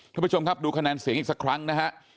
ท่านผู้ชมครับดูคะแนนเสียงอีกสักครั้งนะฮะ